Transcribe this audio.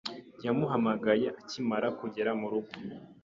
Yamuhamagaye akimara kugera murugo.